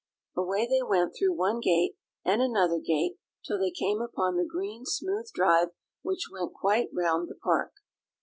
Away they went through one gate and another gate, till they came upon the green smooth drive which went quite round the park.